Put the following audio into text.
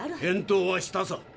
検討はしたさ。